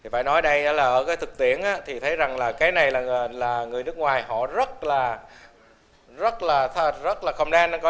phải nói đây là ở cái thực tiễn thì thấy rằng là cái này là người nước ngoài họ rất là kham đen